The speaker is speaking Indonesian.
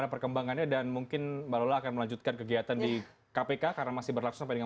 perkembangannya dan mungkin mbak lola akan melanjutkan kegiatan di kpk karena masih berlangsung sampai dengan